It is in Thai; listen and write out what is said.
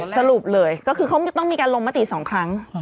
สรุปเลยก็คือเขาต้องมีการลงมติ๒ครั้ง